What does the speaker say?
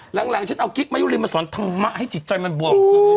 แหล่งฉันเอาคลิกมายุริมมาสอนทางมะให้จิตใจมันบวงซื้อ